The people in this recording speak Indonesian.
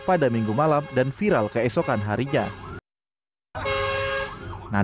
pada minggu malam dan viral keesokan harinya